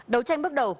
đấu tranh bước đầu